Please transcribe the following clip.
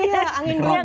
iya angin duduk